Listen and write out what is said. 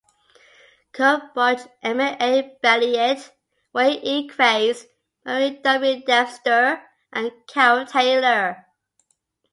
Cope Budge, Emil A. Balliet, Wayne E. Kraiss, Murray W. Dempster and Carol Taylor.